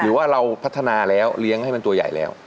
หรือว่าเราพัฒนาแล้วเลี้ยงให้มันตัวใหญ่แล้ว